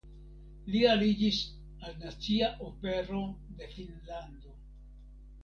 Li aliĝis al Nacia Opero de Finnlando.